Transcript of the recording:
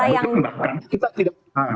ya betul mbak